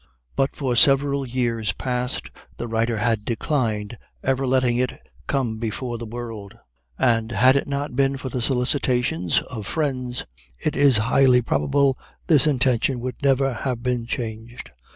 But for several years past the writer had declined ever letting it come before the world; and had it not been for the solicitations of friends, it is highly probable this intention would never have been changed.